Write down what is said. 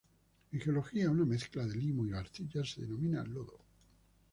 En geología, una mezcla de limo y arcilla se denomina lodo.